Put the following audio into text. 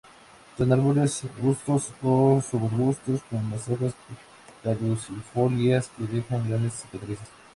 Son árboles, arbustos o subarbustos con las hojas caducifolias, que dejan grandes cicatrices.